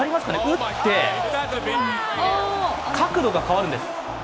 打って角度が変わるんです。